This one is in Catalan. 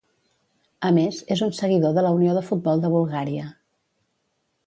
A més, és un seguidor de la Unió de Futbol de Bulgària.